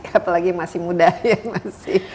apalagi masih muda ya masih